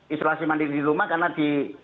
isolasi mandiri di rumah karena di